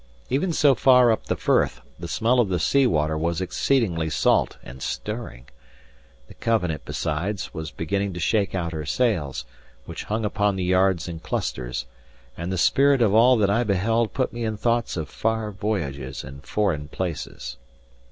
Even so far up the firth, the smell of the sea water was exceedingly salt and stirring; the Covenant, besides, was beginning to shake out her sails, which hung upon the yards in clusters; and the spirit of all that I beheld put me in thoughts of far voyages and foreign places.